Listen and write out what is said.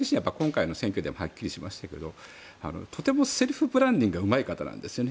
小池さん自身は今回の選挙ではっきりしましたけどとてもセルフブランディングがうまい方なんですね。